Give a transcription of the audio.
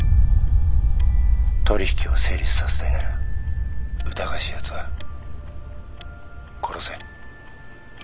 取引を成立させたいなら疑わしいやつは殺せ。